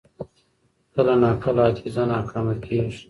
کله ناکله حافظه ناکامه کېږي.